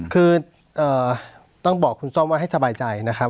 คือต้องบอกคุณส้มว่าให้สบายใจนะครับ